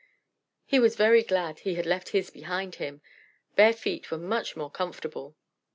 He was very glad he had left his behind him bare feet were much more comfortable.